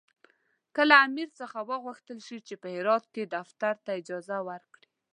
که له امیر څخه وغوښتل شي چې په هرات کې دفتر ته اجازه ورکړي.